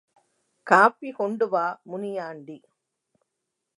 Copy கொண்டுவா முனியாண்டி!